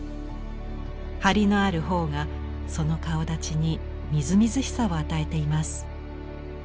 張りのある頬がその顔だちにみずみずしさを与えています。